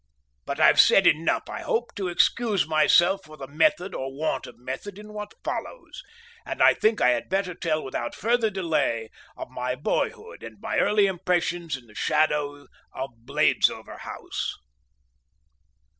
But I've said enough, I hope, to excuse myself for the method or want of method in what follows, and I think I had better tell without further delay of my boyhood and my early impressions in the shadow of Bladesover House.